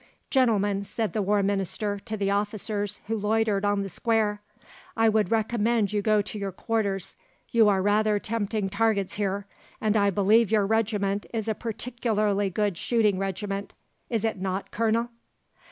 "Gentlemen," said the War Minister to the officers who loitered on the square, "I would recommend you to go to your quarters. You are rather tempting targets here, and I believe your regiment is a particularly good shooting regiment. Is it not, Colonel?"